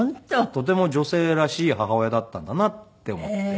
とても女性らしい母親だったんだなって思って。